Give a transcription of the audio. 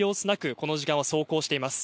この時間、走行しています。